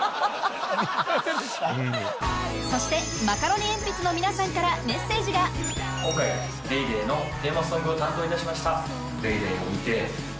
そしてマカロニえんぴつの皆さんから今回『ＤａｙＤａｙ．』のテーマソングを担当いたしました。